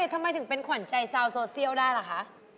ทำไมถึงเป็นขวัญใจชาวโซเชียลได้ล่ะคะ